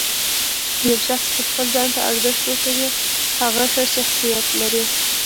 یو شخص چې خپل ځان ته ارزښت ورکوي، هغه ښه شخصیت لري.